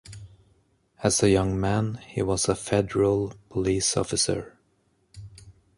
As a young man he was a federal police officer.